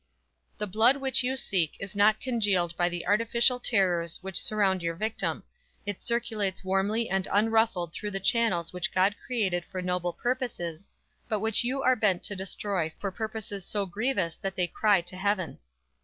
"The blood which you seek is not congealed by the artificial terrors which surround your victim; it circulates warmly and unruffled through the channels which God created for noble purposes, but which you are bent to destroy for purposes so grievous that they cry to Heaven!